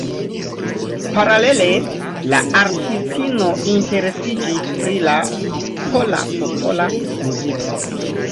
Paralele la artistino interesiĝis pri la pola popola muziko.